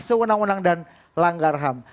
sewenang wenang dan langgarham